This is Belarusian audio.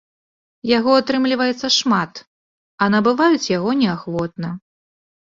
Яго атрымліваецца шмат, а набываюць яго неахвотна.